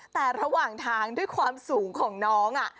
แต่ระหว่างทางด้วยความสูงของน้อง